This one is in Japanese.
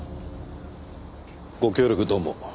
ご協力どうも。